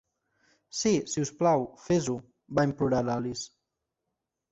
"Sí, si us plau, fes-ho", va implorar l'Alice.